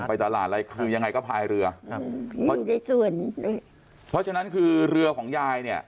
ไปตลาดอะไรคือยังไงก็พายเรือครับเพราะอยู่ในส่วนเพราะฉะนั้นคือเรือของยายเนี่ย